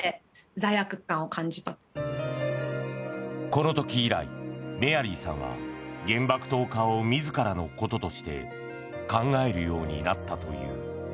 この時以来、メアリーさんは原爆投下を自らのこととして考えるようになったという。